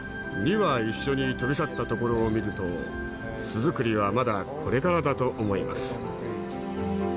２羽一緒に飛び去ったところを見ると巣作りはまだこれからだと思います。